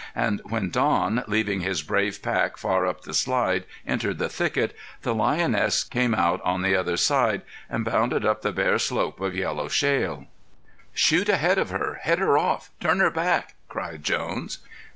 And when Don leaving his brave pack far up the slide entered the thicket the lioness came out on the other side and bounded up the bare slope of yellow shale. "Shoot ahead of her! Head her off! Turn her back!" cried Jones.